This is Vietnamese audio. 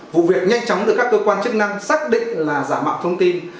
vụ việc nhanh chóng được các cơ quan chức năng xác định là giả mạo thông tin